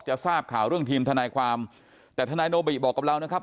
ทราบข่าวเรื่องทีมทนายความแต่ทนายโนบิบอกกับเรานะครับ